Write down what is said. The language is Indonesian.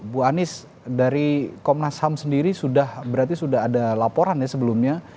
bu anies dari komnas ham sendiri sudah berarti sudah ada laporan ya sebelumnya